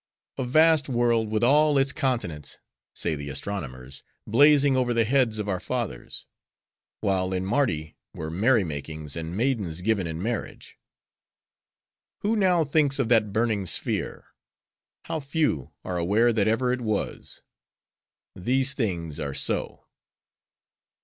A vast world, with all its continents, say the astronomers, blazing over the heads of our fathers; while in Mardi were merry makings, and maidens given in marriage. Who now thinks of that burning sphere? How few are aware that ever it was? "'These things are so.